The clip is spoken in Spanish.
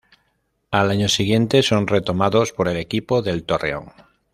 Al año siguiente son retomados por el equipo del "Torreón".